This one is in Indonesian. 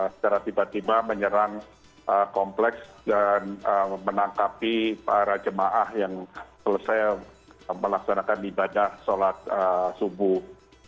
secara tiba tiba menyerang kompleks dan menangkapi para jemaah yang selesai melaksanakan ibadah sholat subuh